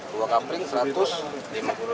dua kafling satu ratus lima puluh lima juta